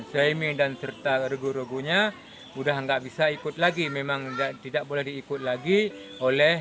soemi dan serta regu regunya udah nggak bisa ikut lagi memang tidak boleh diikut lagi oleh